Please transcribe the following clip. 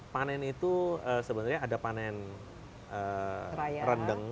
panen itu sebenarnya ada panen rendeng